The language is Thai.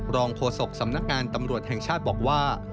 โฆษกสำนักงานตำรวจแห่งชาติบอกว่า